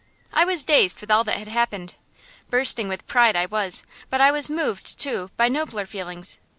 I was dazed with all that had happened. Bursting with pride I was, but I was moved, too, by nobler feelings.